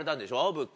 物件。